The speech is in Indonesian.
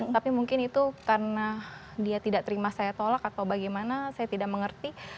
tapi mungkin itu karena dia tidak terima saya tolak atau bagaimana saya tidak mengerti